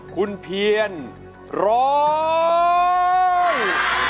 คุณเพียรร้อง